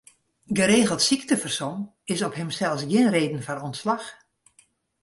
Geregeld syktefersom is op himsels gjin reden foar ûntslach.